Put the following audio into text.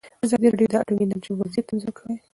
ازادي راډیو د اټومي انرژي وضعیت انځور کړی.